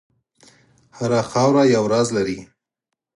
هره خاوره یو راز لري.